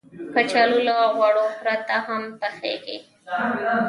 کچالو له غوړو پرته هم پخېږي